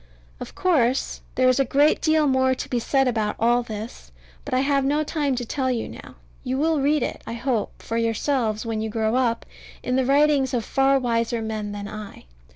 Of course, there is a great deal more to be said about all this: but I have no time to tell you now. You will read it, I hope, for yourselves when you grow up, in the writings of far wiser men than I.